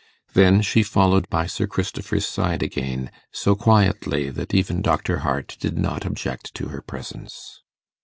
Then she followed by Sir Christopher's side again, so quietly, that even Dr Hart did not object to her presence.